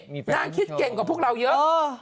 นางคิดเก่งกว่าพวกเราเยอะ